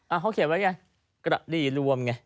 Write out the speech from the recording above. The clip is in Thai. อ่ะเขาเขี่ยวไงกระดีรวมไง